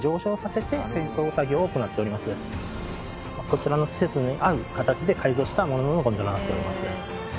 こちらの施設に合う形で改造したもののゴンドラとなっております。